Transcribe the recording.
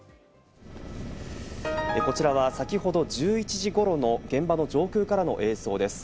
こちらは先ほど１１時頃の現場の上空からの映像です。